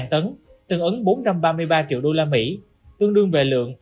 tương ứng bốn trăm ba mươi ba triệu đô la mỹ tương đương về lượng